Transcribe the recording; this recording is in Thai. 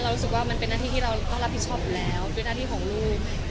เรารู้สึกว่ามันเป็นหน้าที่ที่เราก็รับผิดชอบแล้วเป็นหน้าที่ของลูก